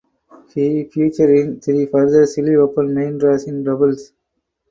He featured in three further Chile Open main draws in doubles.